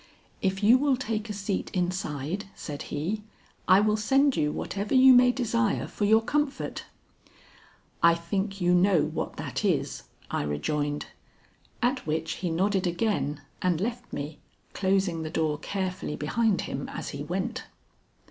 "If you will take a seat inside," said he, "I will send you whatever you may desire for your comfort." "I think you know what that is," I rejoined, at which he nodded again and left me, closing the door carefully behind him as he went.